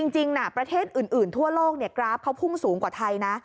จริงประเทศอื่นทั่วโลกกราฟเขาพุ่งสูงกว่าไทยนะ